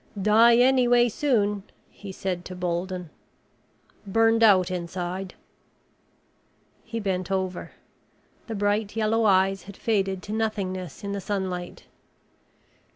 "Die anyway soon," he said to Bolden. "Burned out inside." He bent over. The bright yellow eyes had faded to nothingness in the sunlight.